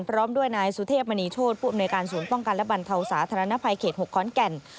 พร้อมด้วยนายสุเทพมณีโชธผู้อำนวยการศูนย์ป้องกันและบรรเทาสาธารณภัยเขต๖ขอนแก่น